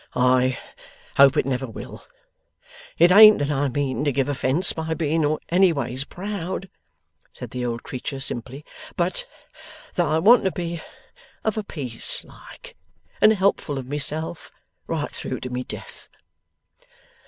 'I hope it never will! It ain't that I mean to give offence by being anyways proud,' said the old creature simply, 'but that I want to be of a piece like, and helpful of myself right through to my death.